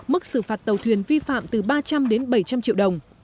mức xử phạt tàu thuyền vi phạm từ ba trăm linh đến bảy trăm linh triệu đồng